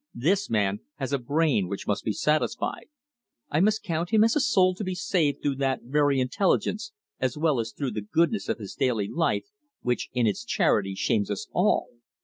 This man has a brain which must be satisfied." "I must count him as a soul to be saved through that very intelligence, as well as through the goodness of his daily life, which, in its charity, shames us all.